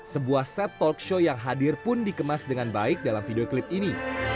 sebuah set talk show yang hadir pun dikemas dengan baik dalam video klip ini